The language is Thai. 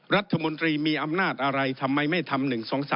รัฐมนตรีมีอำนาจอะไรทำไมไม่ทำ๑๒๓